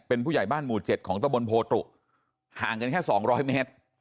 เป็นผู้ใหญ่บ้านหมู่เจ็ดของตำบลโพตุห่างกันแค่สองร้อยเมตร